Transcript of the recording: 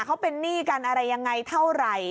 เขาเป็นหนี้กันอะไรยังไงเท่าไหร่